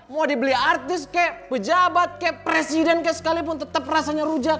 mau dibeli artis kayak pejabat kayak presiden kayak sekalipun tetep rasanya rujak